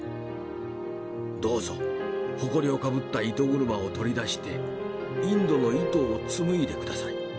どうぞホコリをかぶった糸車を取り出してインドの糸を紡いで下さい。